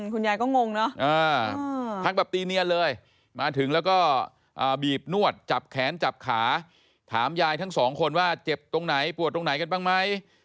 คุณยายก็งงเนอะพักแบบตีเนียนเลยมาถึงแล้วก็บีบนวดจับแขนจับขาถามยายทั้งสองคนว่าเจ็บตรงไหนปวดตรงไหนกันบ้างไหม